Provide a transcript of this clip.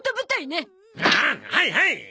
ああはいはい！